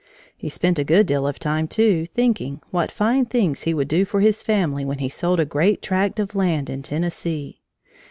He spent a good deal of time, too, thinking what fine things he would do for his family when he sold a great tract of land in Tennessee.